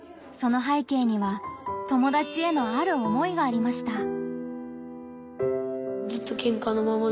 その背景には友達へのある思いがありました。